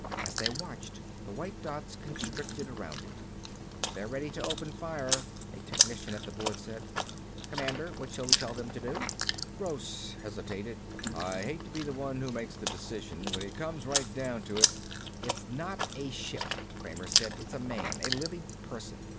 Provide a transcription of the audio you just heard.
As they watched, the white dots constricted around it. "They're ready to open fire," a technician at the board said. "Commander, what shall we tell them to do?" Gross hesitated. "I hate to be the one who makes the decision. When it comes right down to it " "It's not just a ship," Kramer said. "It's a man, a living person.